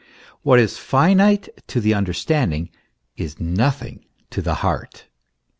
What is finite to the understanding is nothing to the heart.